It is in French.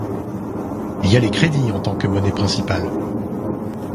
Il y a les crédits en tant que monnaie principale.